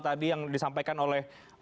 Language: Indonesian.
tadi yang disampaikan oleh